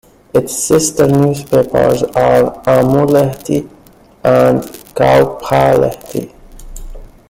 Its sister newspapers are "Aamulehti" and "Kauppalehti".